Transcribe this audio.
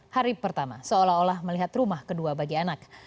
hari pertama seolah olah melihat rumah kedua bagi anak